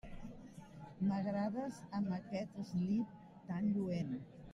M'agrades amb aquest eslip tan lluent.